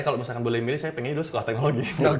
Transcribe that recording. kalau saya bisa memilih saya ingin belajar teknologi